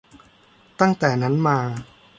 ตั้งแต่นั้นมา